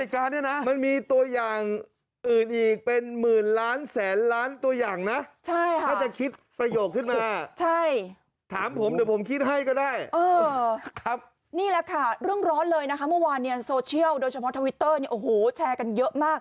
ก็คือเด็กภเตรศกรรมมีคุณธรรม